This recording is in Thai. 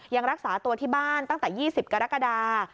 ยังรักษาตัวที่บ้านตั้งแต่๒๐กรกฎา